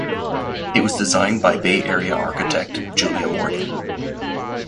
It was designed by Bay Area architect Julia Morgan.